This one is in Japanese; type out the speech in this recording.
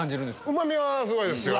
うまみはすごいです。